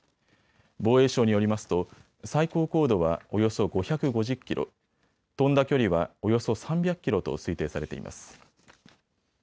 防衛省によりますと最高高度はおよそ５５０キロ、飛んだ距離はおよそ３００キロと推定されています。